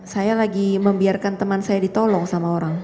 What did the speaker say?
saya lagi membiarkan teman saya ditolong sama orang